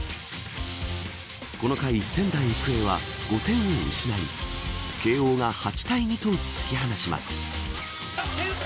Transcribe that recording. この回、仙台育英は５点を失い慶応が８対２と突き放します。